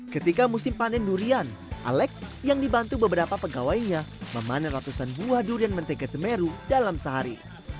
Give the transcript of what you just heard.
ketika musim panen durian alec yang dibantu beberapa pegawainya memanen ratusan buah durian mentega semeru dalam sehari